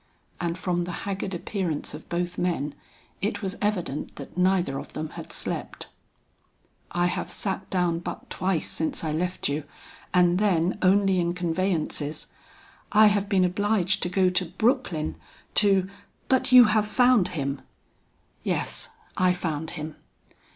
And from the haggard appearance of both men, it was evident that neither of them had slept. "I have sat down but twice since I left you, and then only in conveyances. I have been obliged to go to Brooklyn, to " "But you have found him?" "Yes, I found him."